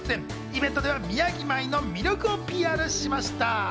イベントでは宮城米の魅力をＰＲしました。